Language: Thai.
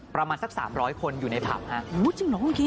ประมาณซัก๓๐๐คนอยู่ในถามห้าม